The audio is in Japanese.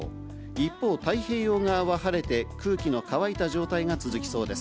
一方、太平洋側は晴れて、空気の乾いた状態が続きそうです。